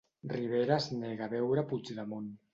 Rivera es nega a veure Puigdemont